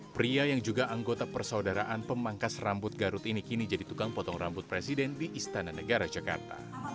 pria yang juga anggota persaudaraan pemangkas rambut garut ini kini jadi tukang potong rambut presiden di istana negara jakarta